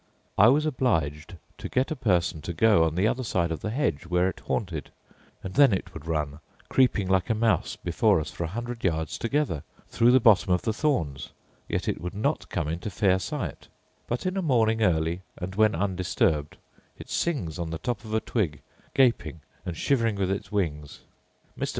I was obliged to get a person to go on the other side of the hedge where it haunted; and then it would run, creeping like a mouse, before us for a hundred yards together, through the bottom of the thorns; yet it would not come into fair sight: but in a morning early, and when undisturbed, it sings on the top of a twig, gaping and shivering with its wings. Mr.